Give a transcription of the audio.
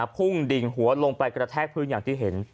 ดิ่งหัวลงไปกระแทกพื้นอย่างที่เห็น